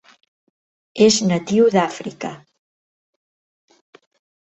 És natiu d'Àfrica.